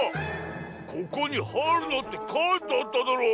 ここに「はいるな！」ってかいてあっただろ！